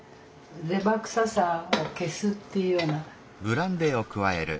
レバ臭さを消すっていうような。